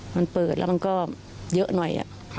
มันเปิดแล้วมันก็เยอะหน่อย